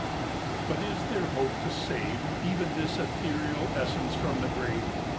"] IX. But is there hope to save Even this ethereal essence from the grave?